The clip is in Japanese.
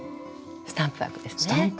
スタンプワークですね。